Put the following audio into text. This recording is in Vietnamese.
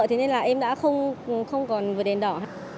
thế nên là em đã không còn vượt đèn đỏ